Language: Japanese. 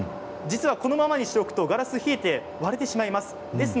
実はこのままにしておくとガラスが冷えて割れてしまいます。